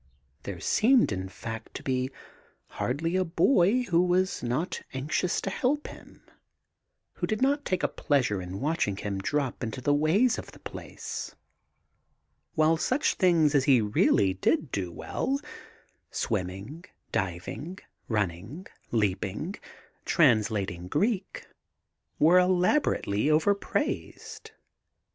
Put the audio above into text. There seemed in fact to be hardly a boy who was not anxious to help him, who did not take a pleasure in watching him drop into the ways of the place ; while such things as he really did do well — swimming, diving, running, leaping, translating Greek — were elaborately overpraised.